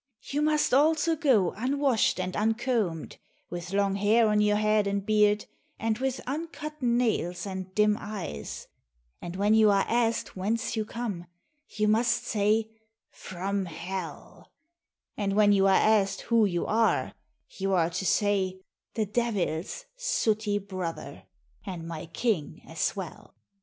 You must also go unwashed and uncombed, with long hair on your head and beard, and with uncut nails and dim eyes, and when you are asked whence you come, you must say, "From hell," and when you are asked who you are, you are to say, "The Devil's sooty brother, and my King as well."